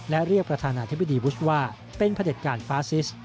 และเรียกประธานาธิบดีบุชว่าเป็นพระเด็จการฟาซิส